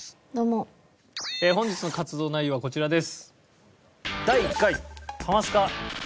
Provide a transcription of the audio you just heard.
本日の活動内容はこちらです。